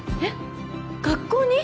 学校に？